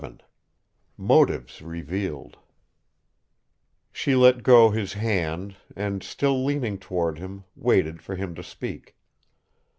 XI MOTIVES REVEALED She let go his hand and, still leaning toward him, waited for him to speak.